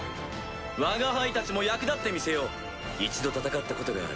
わが輩たちも役立ってみせよう一度戦ったことがある。